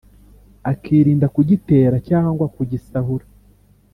akirinda kugitera cyangwa kugisahura.